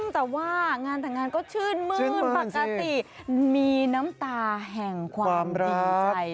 แต่ว่างานแต่งงานก็ชื่นมื้นปกติมีน้ำตาแห่งความจริงใจ